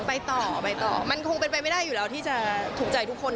ไปต่อไปต่อมันคงเป็นไปไม่ได้อยู่แล้วที่จะถูกใจทุกคน